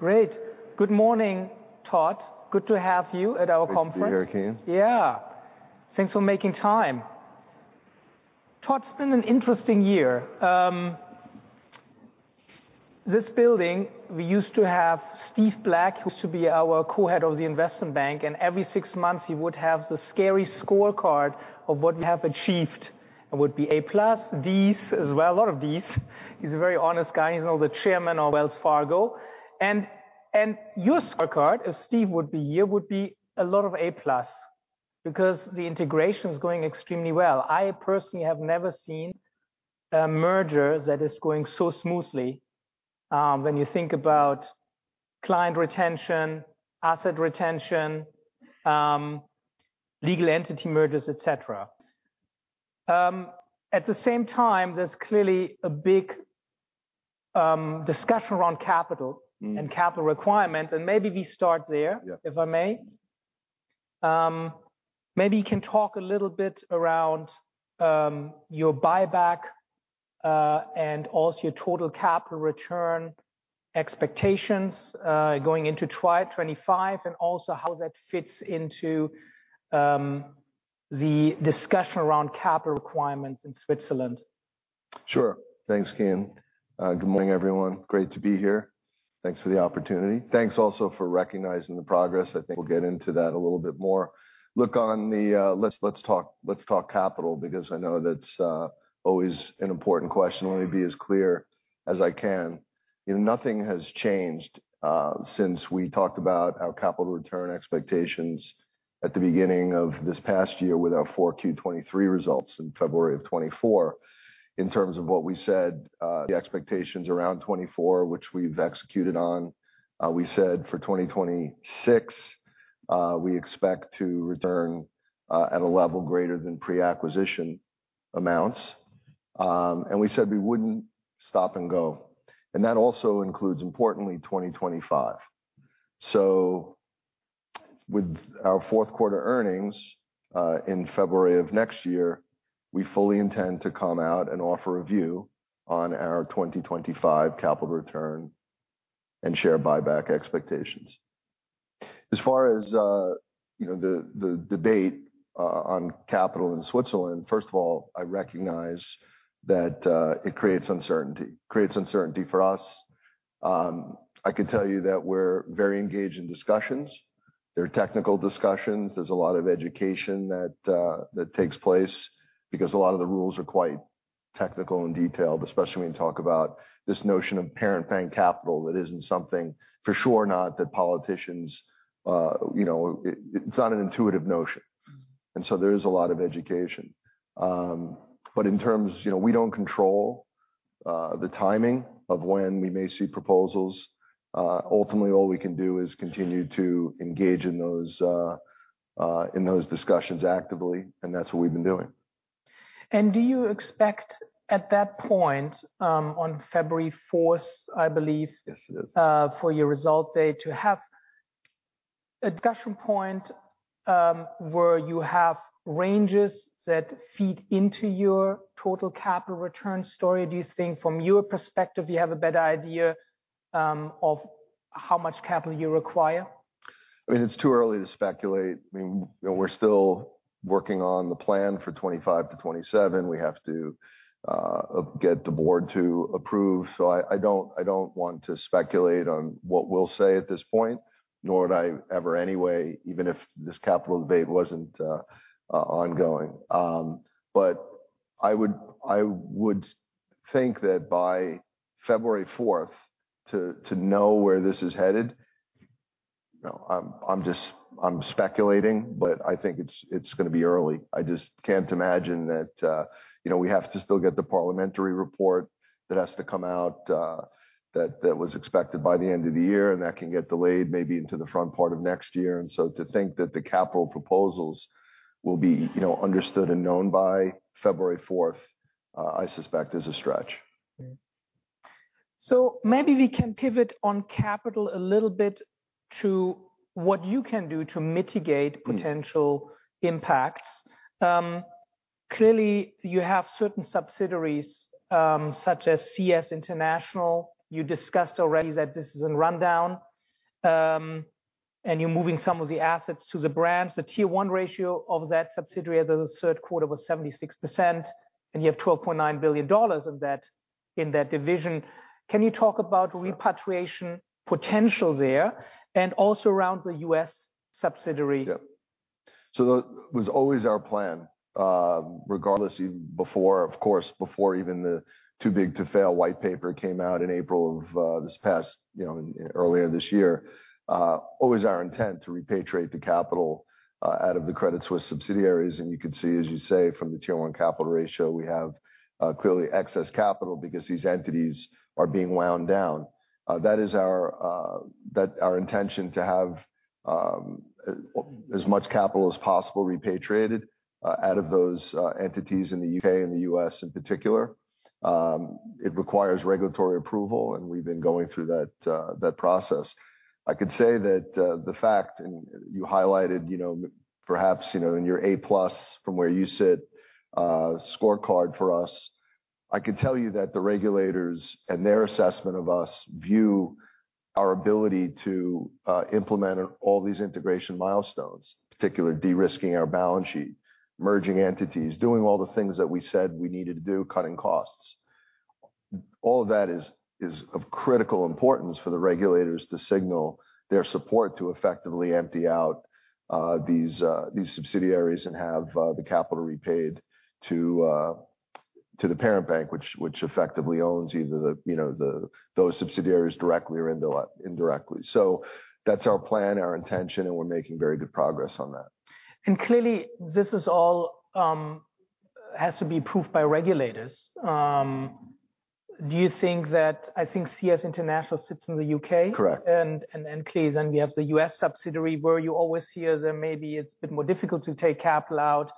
Great. Good morning, Todd. Good to have you at our conference. Thank you, Kian. Yeah. Thanks for making time. Todd, it's been an interesting year. This building, we used to have Steve Black, who used to be our co-head of the investment bank, and every six months he would have the scary scorecard of what we have achieved. It would be A+, Ds as well, a lot of Ds. He's a very honest guy. He's now the Chairman of Wells Fargo. And your scorecard, if Steve would be here, would be a lot of A+ because the integration is going extremely well. I personally have never seen a merger that is going so smoothly when you think about client retention, asset retention, legal entity mergers, etc. At the same time, there's clearly a big discussion around capital and capital requirement. And maybe we start there, if I may. Maybe you can talk a little bit around your buyback and also your total capital return expectations going into 2025, and also how that fits into the discussion around capital requirements in Switzerland. Sure. Thanks, Kian. Good morning, everyone. Great to be here. Thanks for the opportunity. Thanks also for recognizing the progress. I think we'll get into that a little bit more. Look, let's talk capital because I know that's always an important question. Let me be as clear as I can. Nothing has changed since we talked about our capital return expectations at the beginning of this past year with our 4Q 2023 results in February of 2024. In terms of what we said, the expectations around 2024, which we've executed on, we said for 2026 we expect to return at a level greater than pre-acquisition amounts. And we said we wouldn't stop and go. And that also includes, importantly, 2025. So with our fourth quarter earnings in February of next year, we fully intend to come out and offer a view on our 2025 capital return and share buyback expectations. As far as the debate on capital in Switzerland, first of all, I recognize that it creates uncertainty, creates uncertainty for us. I can tell you that we're very engaged in discussions. There are technical discussions. There's a lot of education that takes place because a lot of the rules are quite technical and detailed, especially when you talk about this notion of parent bank capital that isn't something, for sure not, that politicians. It's not an intuitive notion, and so there is a lot of education, but in terms we don't control the timing of when we may see proposals. Ultimately, all we can do is continue to engage in those discussions actively, and that's what we've been doing. Do you expect at that point, on February 4th, I believe, for your result date to have a discussion point where you have ranges that feed into your total capital return story? Do you think from your perspective you have a better idea of how much capital you require? I mean, it's too early to speculate. I mean, we're still working on the plan for 2025 to 2027. We have to get the board to approve, so I don't want to speculate on what we'll say at this point, nor would I ever anyway, even if this capital debate wasn't ongoing, but I would think that by February 4th, to know where this is headed, I'm just speculating, but I think it's going to be early. I just can't imagine that we have to still get the parliamentary report that has to come out that was expected by the end of the year, and that can get delayed maybe into the front part of next year, and so to think that the capital proposals will be understood and known by February 4th, I suspect, is a stretch. So maybe we can pivot on capital a little bit to what you can do to mitigate potential impacts. Clearly, you have certain subsidiaries such as CS International. You discussed already that this is a rundown, and you're moving some of the assets to the branch. The Tier 1 ratio of that subsidiary at the third quarter was 76%, and you have $12.9 billion in that division. Can you talk about repatriation potential there and also around the U.S. subsidiary? Yeah. So it was always our plan, regardless, even before, of course, before even the Too Big to Fail white paper came out in April of this past, earlier this year, always our intent to repatriate the capital out of the Credit Suisse subsidiaries. And you can see, as you say, from the Tier 1 capital ratio, we have clearly excess capital because these entities are being wound down. That is our intention to have as much capital as possible repatriated out of those entities in the U.K. and the U.S. in particular. It requires regulatory approval, and we've been going through that process. I could say that the fact you highlighted, perhaps in your A+ from where you sit, scorecard for us, I can tell you that the regulators and their assessment of us view our ability to implement all these integration milestones, particularly de-risking our balance sheet, merging entities, doing all the things that we said we needed to do, cutting costs. All of that is of critical importance for the regulators to signal their support to effectively empty out these subsidiaries and have the capital repaid to the parent bank, which effectively owns either those subsidiaries directly or indirectly. So that's our plan, our intention, and we're making very good progress on that. And clearly, this all has to be approved by regulators. Do you think that I think CS International sits in the U.K.? Correct. And then clearly, then we have the US subsidiary where you always hear that maybe it's a bit more difficult to take capital out.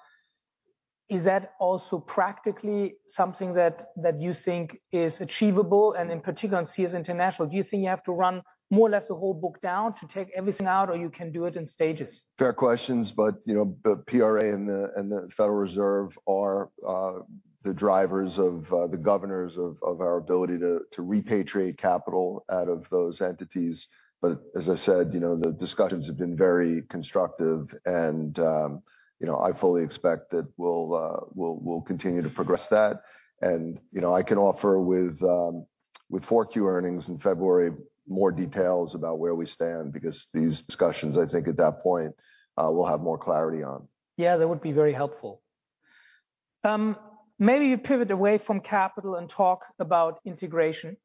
Is that also practically something that you think is achievable? And in particular, in CS International, do you think you have to run more or less the whole book down to take everything out, or you can do it in stages? Fair questions, but PRA and the Federal Reserve are the drivers of the governance of our ability to repatriate capital out of those entities, but as I said, the discussions have been very constructive, and I fully expect that we'll continue to progress that, and I can offer, with 4Q earnings in February, more details about where we stand because these discussions, I think, at that point, we'll have more clarity on. Yeah, that would be very helpful. Maybe you pivot away from capital and talk about integration.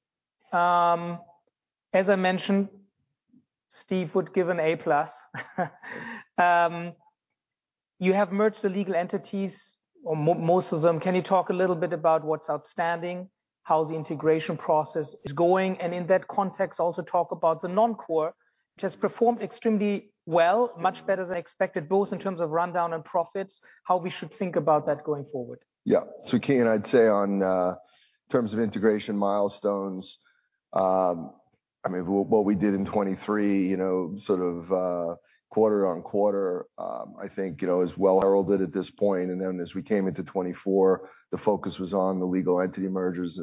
As I mentioned, Steve would give an A+. You have merged the legal entities, or most of them. Can you talk a little bit about what's outstanding, how the integration process is going? And in that context, also talk about the non-core, which has performed extremely well, much better than expected, both in terms of rundown and profits, how we should think about that going forward. Yeah. So Kian, I'd say in terms of integration milestones, I mean, what we did in 2023, sort of quarter on quarter, I think is well heralded at this point. And then as we came into 2024, the focus was on the legal entity mergers,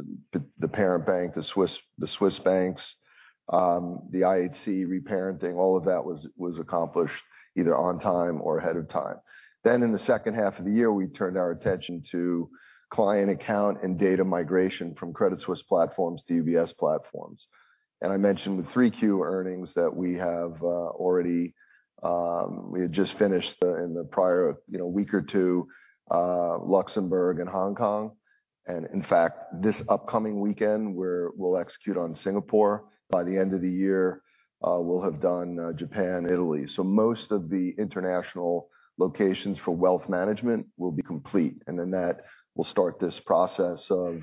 the parent bank, the Swiss banks, the IHC reparenting. All of that was accomplished either on time or ahead of time. Then in the second half of the year, we turned our attention to client account and data migration from Credit Suisse platforms to UBS platforms. And I mentioned with 3Q earnings that we have already, we had just finished in the prior week or two, Luxembourg and Hong Kong. And in fact, this upcoming weekend, we'll execute on Singapore. By the end of the year, we'll have done Japan, Italy. So most of the international locations for wealth management will be complete. And then that will start this process of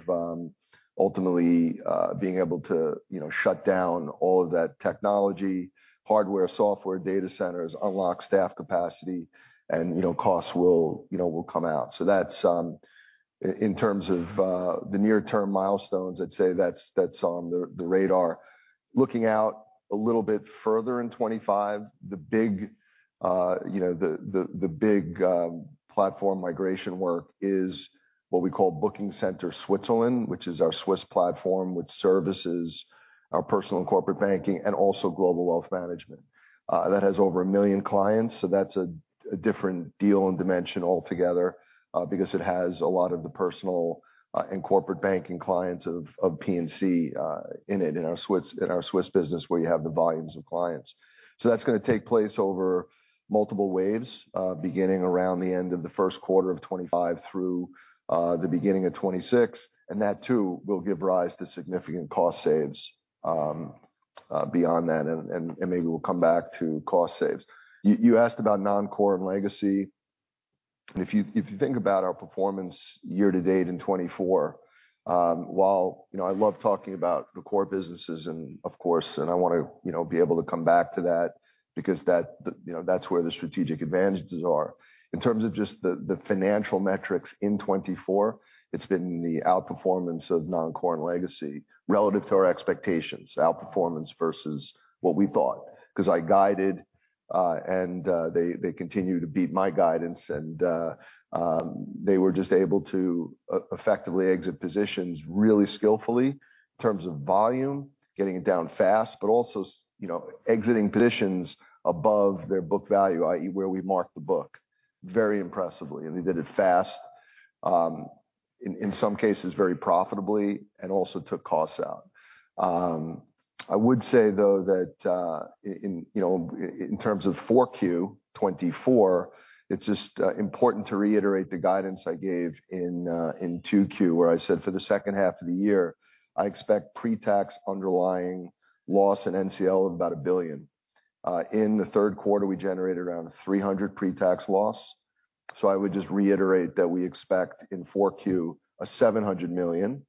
ultimately being able to shut down all of that technology, hardware, software, data centers, unlock staff capacity, and costs will come out. So that's in terms of the near-term milestones. I'd say that's on the radar. Looking out a little bit further in 2025, the big platform migration work is what we call Booking Center Switzerland, which is our Swiss platform, which services our Personal and Corporate Banking and also Global Wealth Management. That has over a million clients. So that's a different deal and dimension altogether because it has a lot of the Personal and Corporate Banking clients of P&C in our Swiss business where you have the volumes of clients. So that's going to take place over multiple waves, beginning around the end of the first quarter of 2025 through the beginning of 2026. That too will give rise to significant cost saves beyond that. Maybe we'll come back to cost saves. You asked about non-core and legacy. If you think about our performance year to date in 2024, while I love talking about the core businesses, and of course, I want to be able to come back to that because that's where the strategic advantages are. In terms of just the financial metrics in 2024, it's been the outperformance of Non-core and Legacy relative to our expectations, outperformance versus what we thought. Because I guided, and they continue to beat my guidance, and they were just able to effectively exit positions really skillfully in terms of volume, getting it down fast, but also exiting positions above their book value, i.e., where we marked the book, very impressively. They did it fast, in some cases very profitably, and also took costs out. I would say, though, that in terms of 4Q 2024, it's just important to reiterate the guidance I gave in 2Q, where I said for the second half of the year, I expect pre-tax underlying loss in NCL of about 1 billion. In the third quarter, we generated around 300 million pre-tax loss. So I would just reiterate that we expect in 4Q a 700 million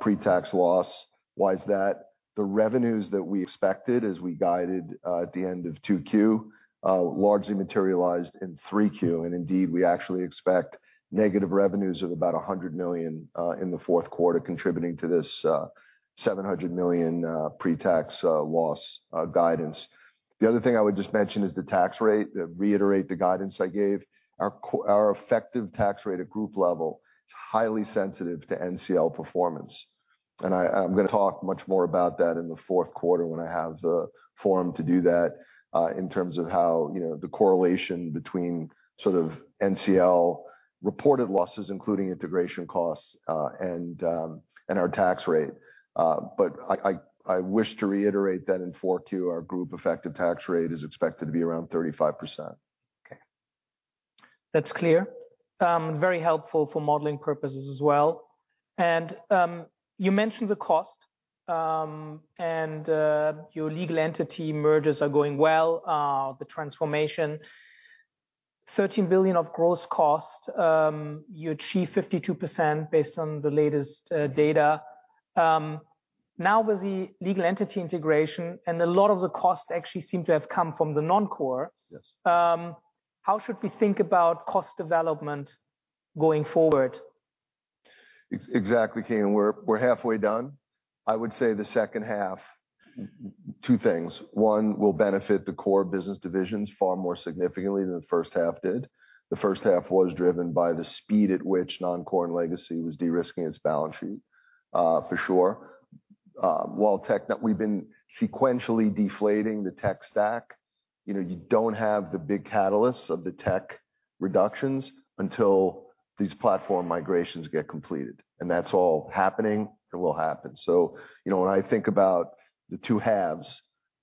pre-tax loss. Why is that? The revenues that we expected as we guided at the end of 2Q largely materialized in 3Q. And indeed, we actually expect negative revenues of about 100 million in the fourth quarter contributing to this 700 million pre-tax loss guidance. The other thing I would just mention is the tax rate, reiterate the guidance I gave. Our effective tax rate at group level is highly sensitive to NCL performance, and I'm going to talk much more about that in the fourth quarter when I have the forum to do that in terms of how the correlation between sort of NCL reported losses, including integration costs and our tax rate, but I wish to reiterate that in 4Q, our group effective tax rate is expected to be around 35%. Okay. That's clear. Very helpful for modeling purposes as well. And you mentioned the cost and your legal entity mergers are going well, the transformation, 13 billion of gross cost, you achieve 52% based on the latest data. Now with the legal entity integration and a lot of the costs actually seem to have come from the non-core, how should we think about cost development going forward? Exactly, Kian. We're halfway done. I would say the second half, two things. One, will benefit the core business divisions far more significantly than the first half did. The first half was driven by the speed at which Non-core and Legacy was de-risking its balance sheet, for sure. While we've been sequentially deflating the tech stack, you don't have the big catalysts of the tech reductions until these platform migrations get completed. And that's all happening and will happen. So when I think about the two halves,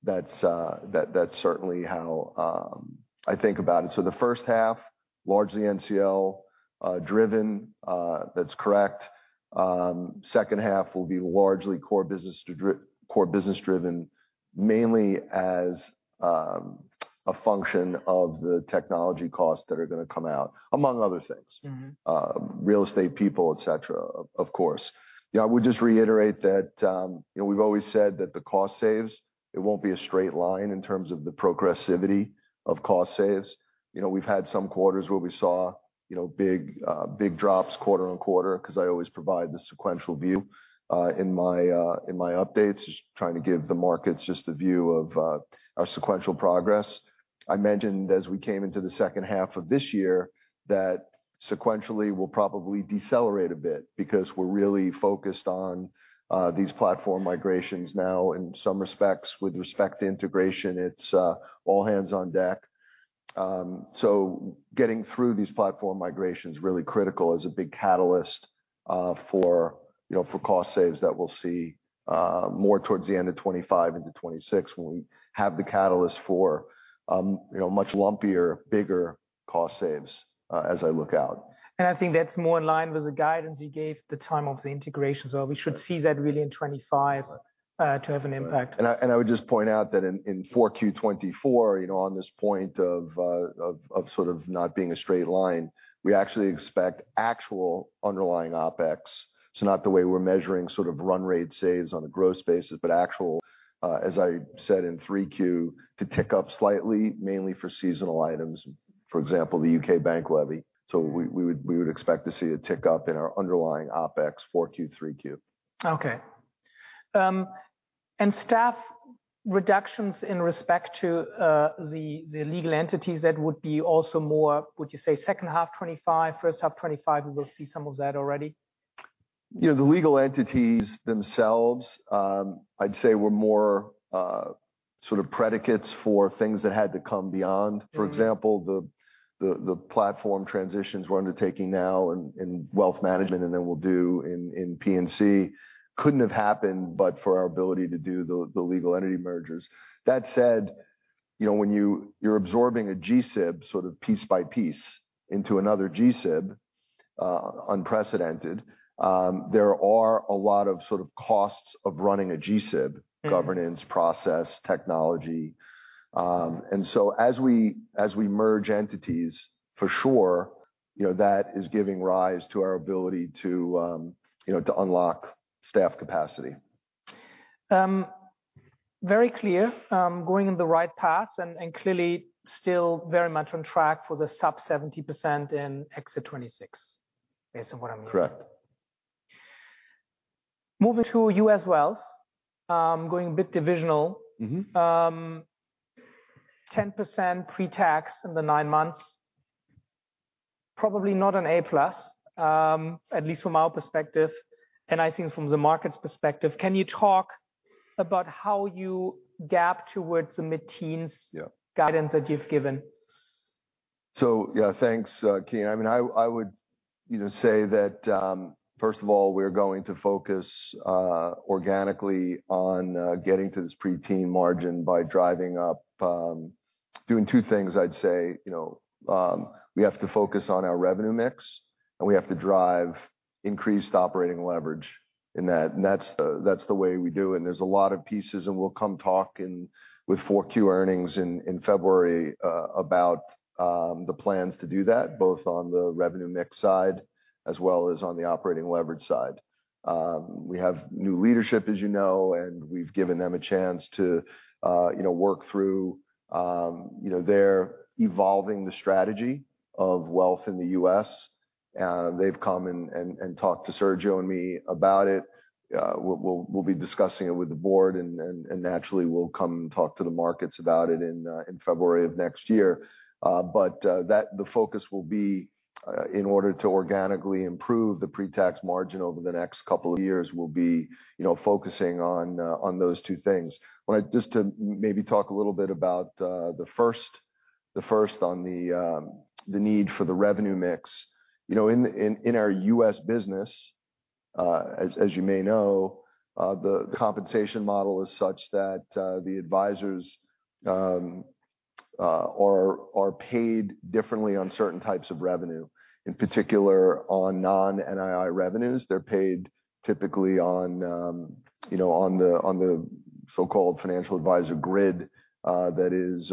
that's certainly how I think about it. So the first half, largely NCL-driven, that's correct. Second half will be largely core business-driven, mainly as a function of the technology costs that are going to come out, among other things, real estate people, et cetera, of course. I would just reiterate that we've always said that the cost savings. It won't be a straight line in terms of the progressivity of cost savings. We've had some quarters where we saw big drops quarter on quarter because I always provide the sequential view in my updates, just trying to give the markets just a view of our sequential progress. I mentioned as we came into the second half of this year that sequentially we'll probably decelerate a bit because we're really focused on these platform migrations now in some respects with respect to integration. It's all hands on deck. So getting through these platform migrations is really critical as a big catalyst for cost savings that we'll see more towards the end of 2025 into 2026 when we have the catalyst for much lumpier, bigger cost savings as I look out. I think that's more in line with the guidance you gave at the time of the integration. We should see that really in 2025 to have an impact. And I would just point out that in 4Q24, on this point of sort of not being a straight line, we actually expect actual underlying OpEx. So not the way we're measuring sort of run rate saves on a gross basis, but actual, as I said in 3Q, to tick up slightly, mainly for seasonal items, for example, the U.K. Bank Levy. So we would expect to see a tick up in our underlying OpEx 4Q, 3Q. Okay. And staff reductions in respect to the legal entities that would be also more, would you say, second half 2025, first half 2025, we will see some of that already? The legal entities themselves, I'd say, were more sort of predicates for things that had to come beyond. For example, the platform transitions we're undertaking now in wealth management and then we'll do in P&C couldn't have happened but for our ability to do the legal entity mergers. That said, when you're absorbing a GSIB sort of piece by piece into another GSIB, unprecedented, there are a lot of sort of costs of running a GSIB governance process, technology. And so as we merge entities, for sure, that is giving rise to our ability to unlock staff capacity. Very clear, going in the right path, and clearly still very much on track for the sub 70% in exit 2026, based on what I'm hearing. Correct. Moving to U.S. Wealth, going a bit divisional, 10% pre-tax in the nine months, probably not an A+, at least from our perspective, and I think from the market's perspective. Can you talk about how you gap towards the mid-teens guidance that you've given? So yeah, thanks, Kian. I mean, I would say that, first of all, we're going to focus organically on getting to this pre-tax margin by driving up, doing two things, I'd say. We have to focus on our revenue mix, and we have to drive increased operating leverage in that. And that's the way we do it. And there's a lot of pieces, and we'll come talk with 4Q earnings in February about the plans to do that, both on the revenue mix side as well as on the operating leverage side. We have new leadership, as you know, and we've given them a chance to work through their evolving the strategy of wealth in the U.S. They've come and talked to Sergio and me about it. We'll be discussing it with the board, and naturally, we'll come talk to the markets about it in February of next year. But the focus will be, in order to organically improve the pre-tax margin over the next couple of years, we'll be focusing on those two things. Just to maybe talk a little bit about the first on the need for the revenue mix. In our U.S. business, as you may know, the compensation model is such that the advisors are paid differently on certain types of revenue. In particular, on non-NII revenues, they're paid typically on the so-called financial advisor grid that is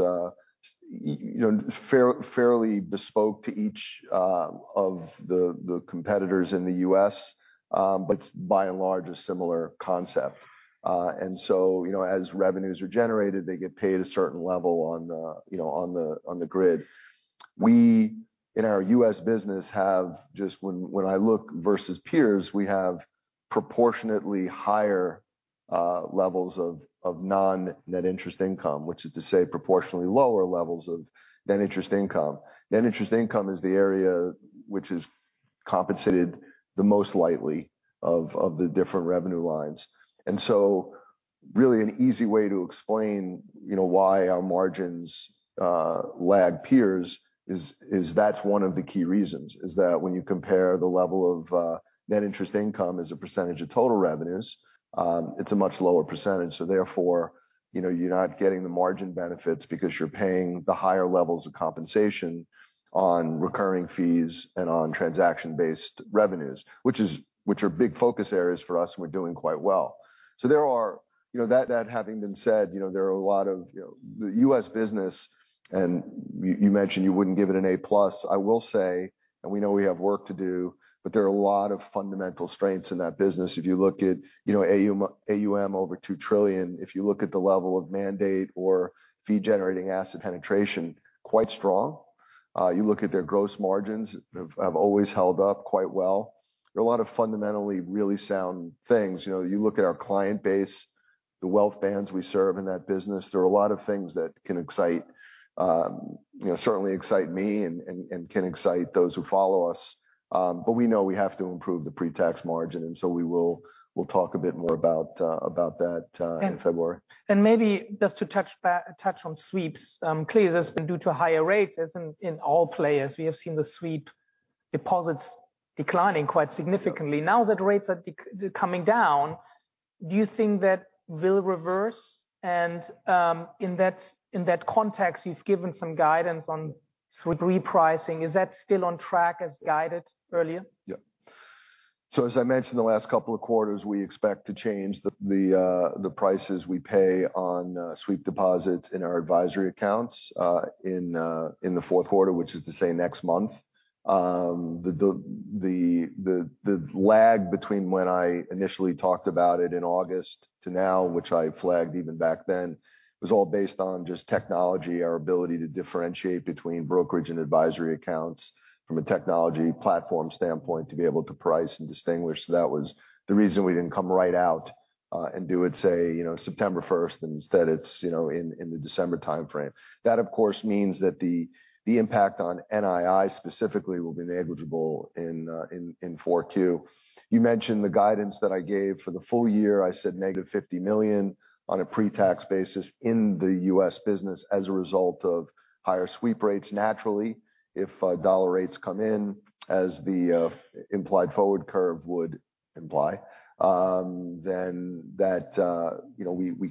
fairly bespoke to each of the competitors in the U.S.. But it's by and large a similar concept. And so as revenues are generated, they get paid a certain level on the grid. We, in our U.S. business, have just when I look versus peers, we have proportionately higher levels of non-net interest income, which is to say proportionately lower levels of net interest income. Net interest income is the area which is compensated the most lightly of the different revenue lines. And so really an easy way to explain why our margins lag peers is that's one of the key reasons, is that when you compare the level of net interest income as a percentage of total revenues, it's a much lower percentage. So therefore, you're not getting the margin benefits because you're paying the higher levels of compensation on recurring fees and on transaction-based revenues, which are big focus areas for us, and we're doing quite well. So that having been said, there are a lot of the U.S. business, and you mentioned you wouldn't give it an A+. I will say, and we know we have work to do, but there are a lot of fundamental strengths in that business. If you look at AUM over two trillion, if you look at the level of mandate or fee-generating asset penetration, quite strong. You look at their gross margins, have always held up quite well. There are a lot of fundamentally really sound things. You look at our client base, the wealth bands we serve in that business, there are a lot of things that can excite, certainly excite me and can excite those who follow us, but we know we have to improve the pre-tax margin, and so we will talk a bit more about that in February. Maybe just to touch on sweep, clearly this has been due to higher rates, as in all players, we have seen the sweep deposits declining quite significantly. Now that rates are coming down, do you think that will reverse? And in that context, you've given some guidance on sweep repricing. Is that still on track as guided earlier? Yeah. So as I mentioned, the last couple of quarters, we expect to change the prices we pay on sweep deposits in our advisory accounts in the fourth quarter, which is to say next month. The lag between when I initially talked about it in August to now, which I flagged even back then, was all based on just technology, our ability to differentiate between brokerage and advisory accounts from a technology platform standpoint to be able to price and distinguish. So that was the reason we didn't come right out and do it, say, September 1st, and instead it's in the December timeframe. That, of course, means that the impact on NII specifically will be negligible in 4Q. You mentioned the guidance that I gave for the full year. I said -$50 million on a pre-tax basis in the U.S. business as a result of higher SWEEP rates. Naturally, if dollar rates come in, as the implied forward curve would imply, then that we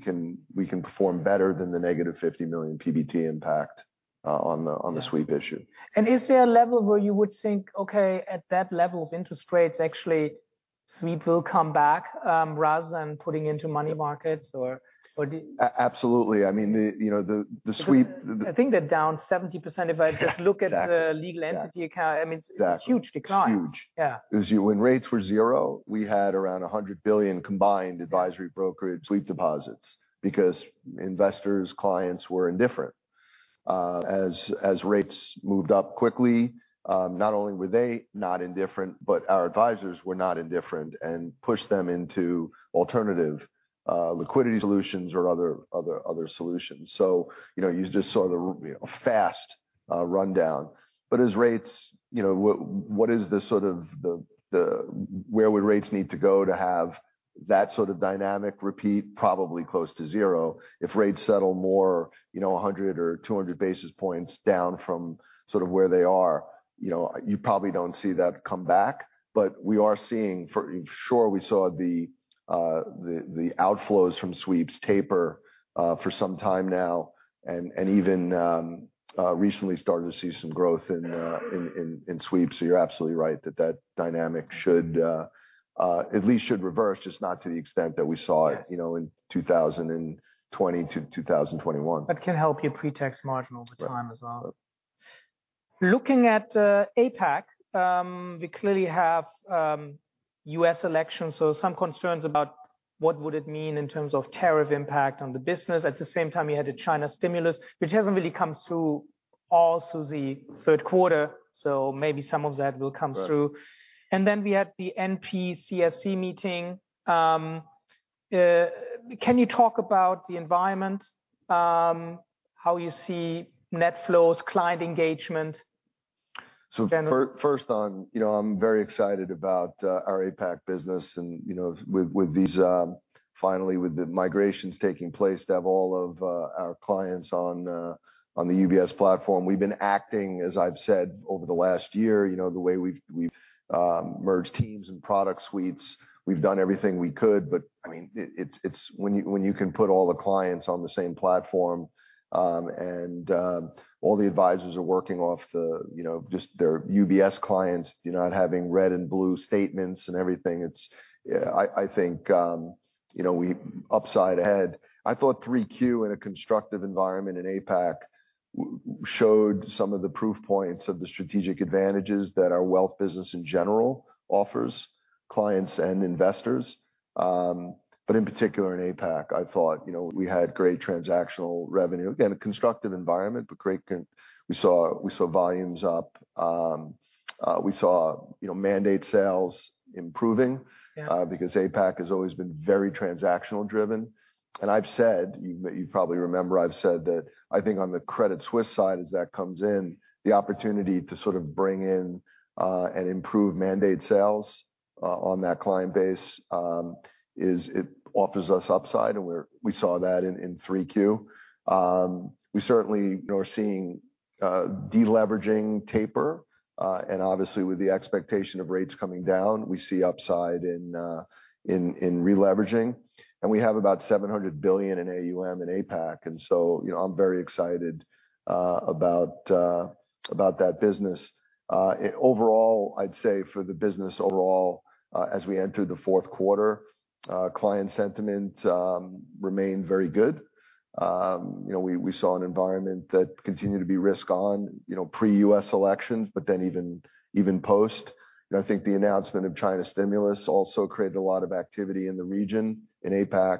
can perform better than the -$50 million PBT impact on the sweep issue. Is there a level where you would think, okay, at that level of interest rates, actually sweep will come back rather than putting into money markets or? Absolutely. I mean, the sweep. I think they're down 70% if I just look at the legal entity account. I mean, it's a huge decline. Exactly. Huge. When rates were zero, we had around $100 billion combined advisory brokerage sweep deposits because investors, clients were indifferent. As rates moved up quickly, not only were they not indifferent, but our advisors were not indifferent and pushed them into alternative liquidity solutions or other solutions. So you just saw the fast rundown. But as rates, what is the sort of where would rates need to go to have that sort of dynamic repeat? Probably close to zero. If rates settle more 100 or 200 basis points down from sort of where they are, you probably don't see that come back. But we are seeing, for sure, we saw the outflows from sweeps taper for some time now, and even recently started to see some growth in SWEEP. So you're absolutely right that that dynamic should at least reverse, just not to the extent that we saw it in 2020-2021. That can help your pre-tax margin over time as well. Looking at APAC, we clearly have US elections, so some concerns about what would it mean in terms of tariff impact on the business. At the same time, you had the China stimulus, which hasn't really come through all through the third quarter. So maybe some of that will come through. And then we had the NPCSC meeting. Can you talk about the environment, how you see net flows, client engagement? So first, I'm very excited about our APAC business. And with these, finally, with the migrations taking place to have all of our clients on the UBS platform, we've been acting, as I've said, over the last year, the way we've merged teams and product suites. We've done everything we could, but I mean, when you can put all the clients on the same platform and all the advisors are working off just their UBS clients, you're not having red and blue statements and everything. I think we upside ahead. I thought 3Q in a constructive environment in APAC showed some of the proof points of the strategic advantages that our wealth business in general offers clients and investors. But in particular in APAC, I thought we had great transactional revenue. Again, a constructive environment, but great. We saw volumes up. We saw mandate sales improving because APAC has always been very transactional driven, and I've said, you probably remember I've said that I think on the Credit Suisse side, as that comes in, the opportunity to sort of bring in and improve mandate sales on that client base offers us upside, and we saw that in 3Q. We certainly are seeing deleveraging taper, and obviously, with the expectation of rates coming down, we see upside in releveraging. We have about 700 billion in AUM in APAC, and so I'm very excited about that business. Overall, I'd say for the business overall, as we entered the fourth quarter, client sentiment remained very good. We saw an environment that continued to be risk-on pre-US elections, but then even post. I think the announcement of China stimulus also created a lot of activity in the region in APAC,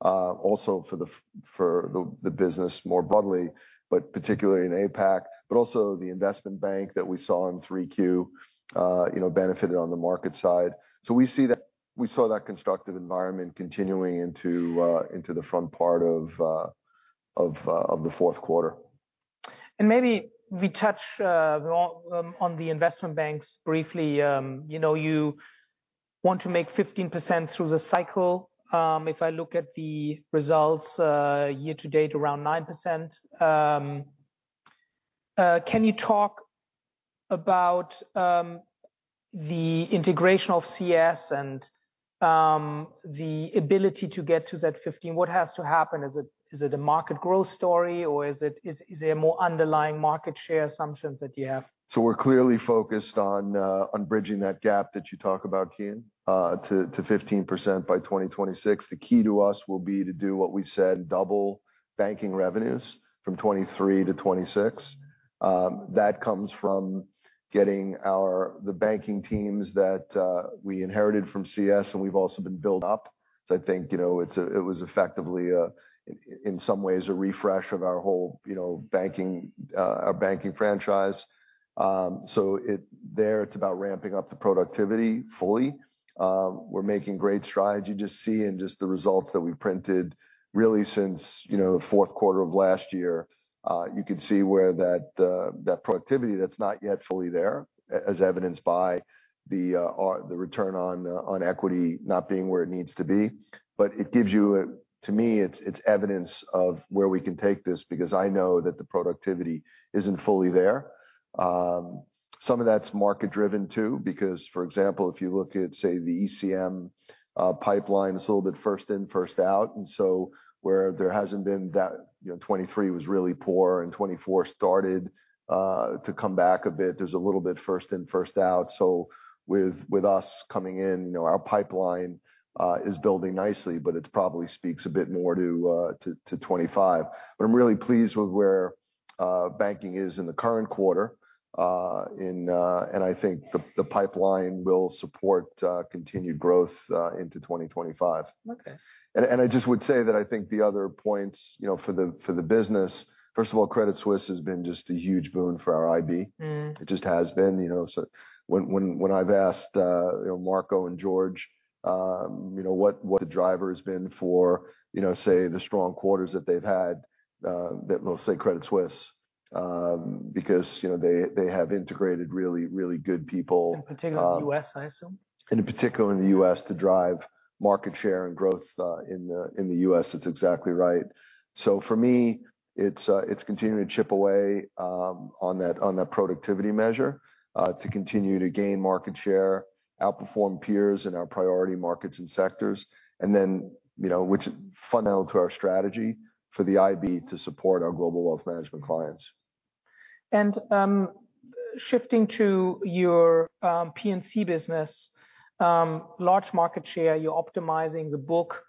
also for the business more broadly, but particularly in APAC, but also the investment bank that we saw in 3Q benefited on the market side. So we saw that constructive environment continuing into the front part of the fourth quarter. Maybe we touch on the investment banks briefly. You want to make 15% through the cycle. If I look at the results year to date, around 9%. Can you talk about the integration of CS and the ability to get to that 15? What has to happen? Is it a market growth story, or is there more underlying market share assumptions that you have? So we're clearly focused on bridging that gap that you talk about, Kian, to 15% by 2026. The key to us will be to do what we said, double banking revenues from 2023 to 2026. That comes from getting the banking teams that we inherited from CS, and we've also been built up. So I think it was effectively, in some ways, a refresh of our whole banking franchise. So there, it's about ramping up the productivity fully. We're making great strides. You just see in just the results that we've printed really since the fourth quarter of last year, you could see where that productivity, that's not yet fully there, as evidenced by the return on equity not being where it needs to be. But it gives you, to me, it's evidence of where we can take this because I know that the productivity isn't fully there. Some of that's market-driven too because, for example, if you look at, say, the ECM pipeline, it's a little bit first in, first out. And so where there hasn't been that 2023 was really poor and 2024 started to come back a bit, there's a little bit first in, first out. So with us coming in, our pipeline is building nicely, but it probably speaks a bit more to 2025. But I'm really pleased with where banking is in the current quarter. And I think the pipeline will support continued growth into 2025. And I just would say that I think the other points for the business, first of all, Credit Suisse has been just a huge boon for our IB. It just has been. When I've asked Marco and George what the driver has been for, say, the strong quarters that they've had, they'll say Credit Suisse because they have integrated really, really good people. In particular, the U.S., I assume. In particular, in the U.S. to drive market share and growth in the U.S., it's exactly right. So for me, it's continuing to chip away on that productivity measure to continue to gain market share, outperform peers in our priority markets and sectors, which is fundamental to our strategy for the IB to support our Global Wealth Management clients. Shifting to your P&C business, large market share, you're optimizing the book.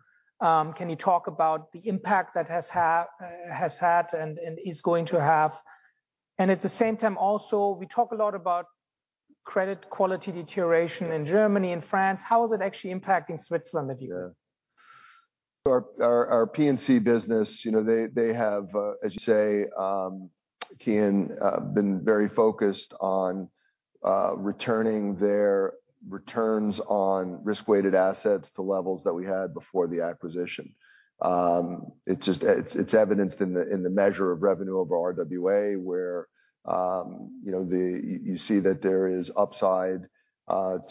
Can you talk about the impact that has had and is going to have? At the same time, also, we talk a lot about credit quality deterioration in Germany and France. How is it actually impacting Switzerland that you're in? So our P&C business, they have, as you say, Kian, been very focused on returning their returns on risk-weighted assets to levels that we had before the acquisition. It's evidenced in the measure of revenue over RWA, where you see that there is upside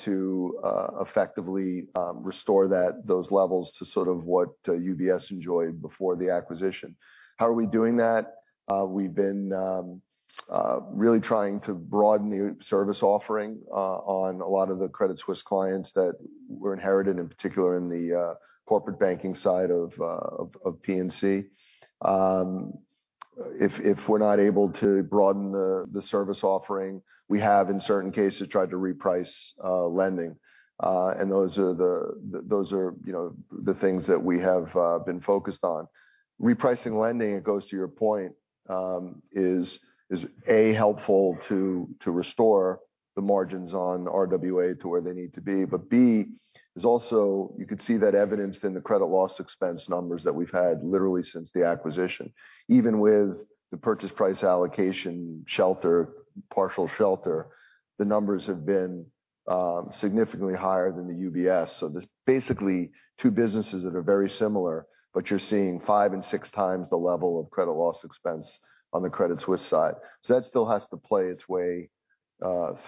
to effectively restore those levels to sort of what UBS enjoyed before the acquisition. How are we doing that? We've been really trying to broaden the service offering on a lot of the Credit Suisse clients that were inherited, in particular in the corporate banking side of P&C. If we're not able to broaden the service offering, we have, in certain cases, tried to reprice lending. And those are the things that we have been focused on. Repricing lending, it goes to your point, is A, helpful to restore the margins on RWA to where they need to be. But B is also you could see that evidenced in the credit loss expense numbers that we've had literally since the acquisition. Even with the purchase price allocation shelter, partial shelter, the numbers have been significantly higher than the UBS. So basically, two businesses that are very similar, but you're seeing five and six times the level of credit loss expense on the Credit Suisse side. So that still has to play its way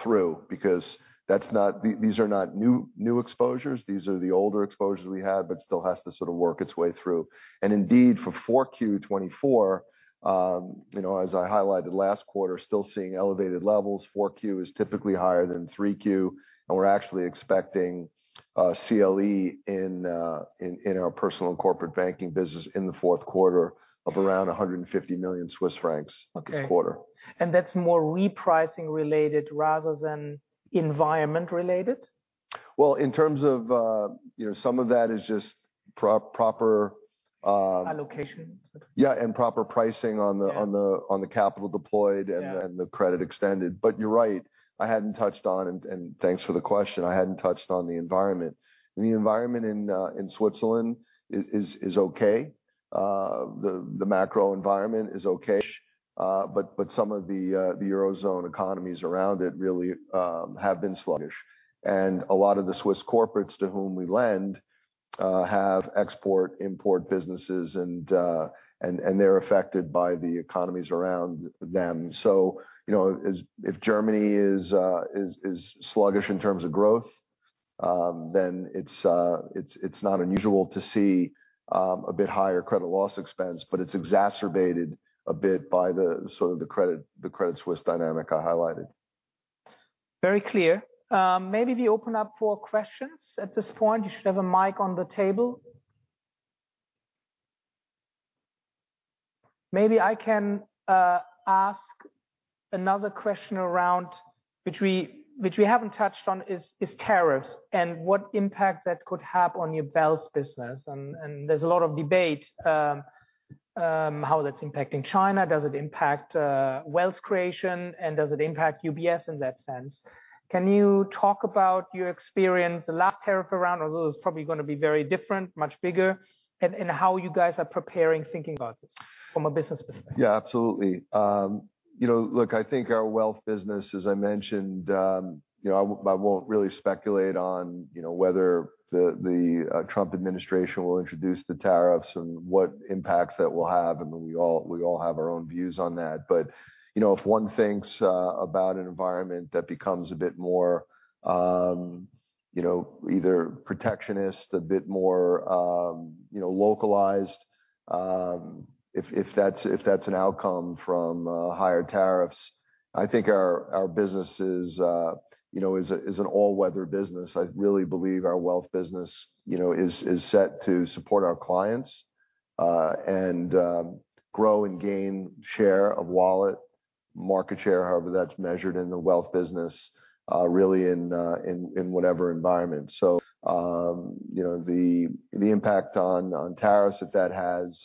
through because these are not new exposures. These are the older exposures we had, but it still has to sort of work its way through. And indeed, for 4Q 2024, as I highlighted last quarter, still seeing elevated levels. 4Q is typically higher than 3Q. And we're actually expecting CLE in our Personal and Corporate Banking business in the fourth quarter of around 150 million Swiss francs this quarter. That's more repricing related rather than environment related? In terms of some of that is just proper. Allocation. Yeah, and proper pricing on the capital deployed and the credit extended. But you're right. I hadn't touched on, and thanks for the question, I hadn't touched on the environment. The environment in Switzerland is okay. The macro environment is okay. But some of the Eurozone economies around it really have been sluggish. And a lot of the Swiss corporates to whom we lend have export-import businesses, and they're affected by the economies around them. So if Germany is sluggish in terms of growth, then it's not unusual to see a bit higher credit loss expense, but it's exacerbated a bit by the sort of the Credit Suisse dynamic I highlighted. Very clear. Maybe we open up for questions at this point. You should have a mic on the table. Maybe I can ask another question around which we haven't touched on, which is tariffs and what impact that could have on your wealth business. And there's a lot of debate how that's impacting China. Does it impact wealth creation? And does it impact UBS in that sense? Can you talk about your experience the last tariff round? Although it's probably going to be very different, much bigger, and how you guys are preparing thinking about this from a business perspective? Yeah, absolutely. Look, I think our wealth business, as I mentioned, I won't really speculate on whether the Trump administration will introduce the tariffs and what impacts that will have. And we all have our own views on that. But if one thinks about an environment that becomes a bit more either protectionist, a bit more localized, if that's an outcome from higher tariffs, I think our business is an all-weather business. I really believe our wealth business is set to support our clients and grow and gain share of wallet, market share, however that's measured in the wealth business, really in whatever environment. So the impact on tariffs that that has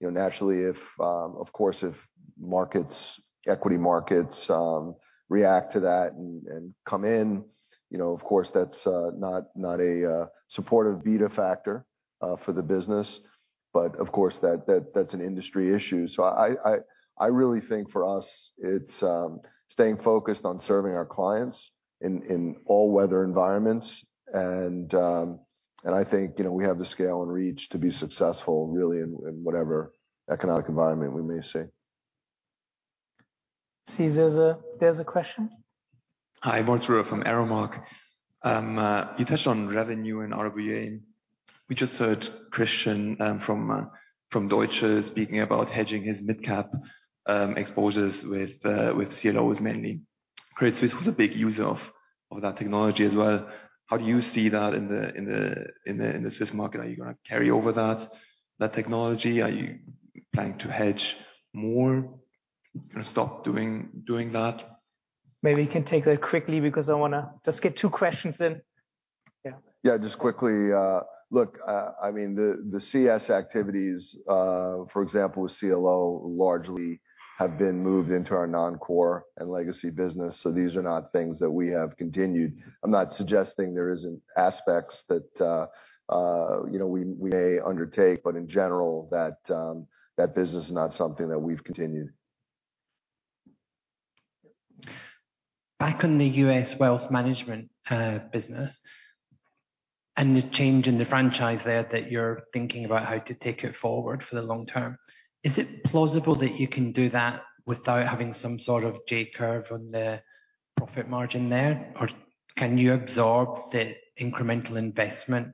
naturally, of course, if markets, equity markets react to that and come in, of course, that's not a supportive beta factor for the business. But of course, that's an industry issue. So I really think for us, it's staying focused on serving our clients in all-weather environments. And I think we have the scale and reach to be successful really in whatever economic environment we may see. See, there's a question. Hi, I'm Arturo from ArrowMark. You touched on revenue and RWA. We just heard Christian from Deutsche Bank speaking about hedging his midcap exposures with CLOs mainly. Credit Suisse was a big user of that technology as well. How do you see that in the Swiss market? Are you going to carry over that technology? Are you planning to hedge more? Stop doing that? Maybe you can take that quickly because I want to just get two questions in. Yeah. Yeah, just quickly. Look, I mean, the CS activities, for example, with CLO largely have been moved into our Non-core and Legacy business. So these are not things that we have continued. I'm not suggesting there aren't aspects that we may undertake, but in general, that business is not something that we've continued. Back on the US Wealth Management business and the change in the franchise there that you're thinking about how to take it forward for the long term, is it plausible that you can do that without having some sort of J-curve on the profit margin there? Or can you absorb the incremental investment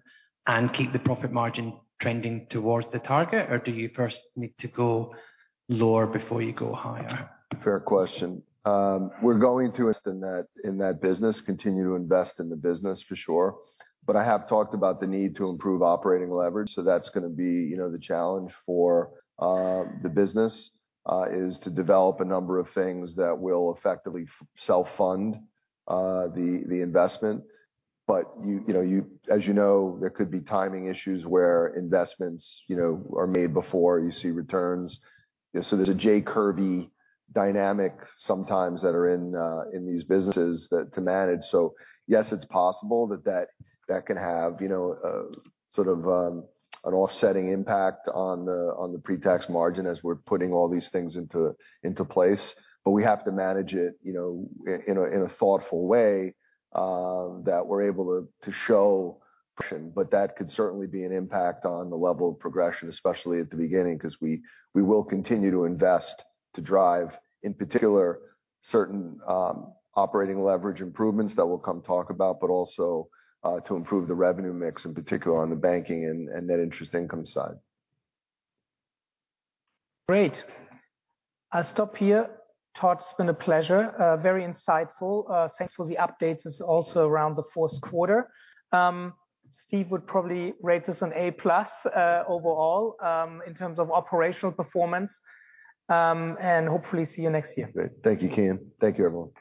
and keep the profit margin trending towards the target, or do you first need to go lower before you go higher? Fair question. We're going to invest in that business, continue to invest in the business for sure. But I have talked about the need to improve operating leverage. So that's going to be the challenge for the business is to develop a number of things that will effectively self-fund the investment. But as you know, there could be timing issues where investments are made before you see returns. So there's a J-curve dynamic sometimes that are in these businesses to manage. So yes, it's possible that that can have sort of an offsetting impact on the pre-tax margin as we're putting all these things into place. But we have to manage it in a thoughtful way that we're able to show. But that could certainly be an impact on the level of progression, especially at the beginning, because we will continue to invest to drive, in particular, certain operating leverage improvements that we'll come talk about, but also to improve the revenue mix, in particular on the banking and net interest income side. Great. I'll stop here. Todd, it's been a pleasure. Very insightful. Thanks for the updates also around the fourth quarter. Steve would probably rate this an A+ overall in terms of operational performance. And hopefully, see you next year. Great. Thank you, Kian. Thank you, everyone.